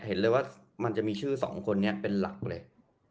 เห็นเลยว่ามันจะมีชื่อสองคนนี้เป็นหลักเลย